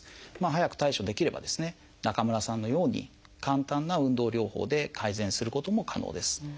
早く対処できればですね中村さんのように簡単な運動療法で改善することも可能です。